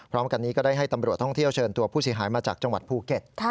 พร้อมกันนี้ก็ได้ให้ตำรวจท่องเที่ยวเชิญตัวผู้เสียหายมาจากจังหวัดภูเก็ต